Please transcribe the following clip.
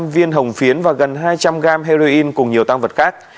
viên hồng phiến và gần hai trăm linh gram heroin cùng nhiều tăng vật khác